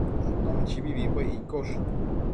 Aton chibibimbuec iccosh